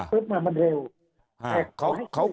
เพราะบางครั้งมันเร็ว